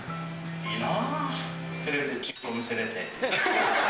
いいなー。